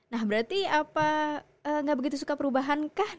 nah berarti apa nggak begitu suka perubahan kah